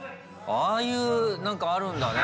ああいうなんか、あるんだね。